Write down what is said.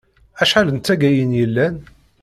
Acḥal n taggayin yellan?